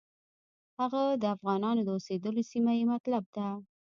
هغه د افغانانو د اوسېدلو سیمه یې مطلب ده.